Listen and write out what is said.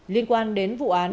liên quan đến vụ án